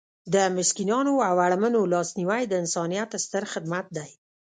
د مسکینانو او اړمنو لاسنیوی د انسانیت ستر خدمت دی.